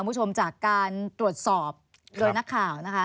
มุชมจากการตรวจสอบโดยนักข่าว